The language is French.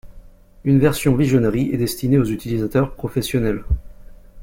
Une version Visionary est destinée aux utilisateurs professionnels.